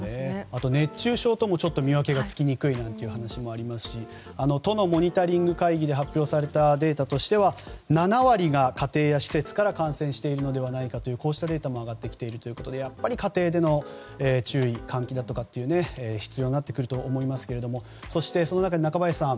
あと熱中症とも見分けがつきにくいという話もありますし都のモニタリング会議で発表されたデータとしては７割が家庭や施設から感染しているというデータも上がってきているということで家庭での注意喚起が必要になってくると思いますがそして、その中で中林さん